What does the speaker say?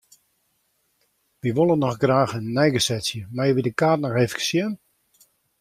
Wy wolle noch graach in neigesetsje, meie wy de kaart noch efkes sjen?